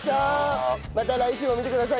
また来週も見てください。